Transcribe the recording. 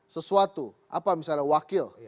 sesuatu apa misalnya wakil